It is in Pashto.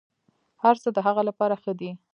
هرڅه د هغه لپاره ښه دي.